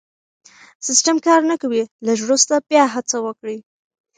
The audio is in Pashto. سيسټم کار نه کوي لږ وروسته بیا هڅه وکړئ